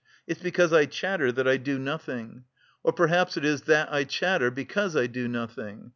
It's because I chatter that I do nothing. Or perhaps it is that I chatter because I do nothing.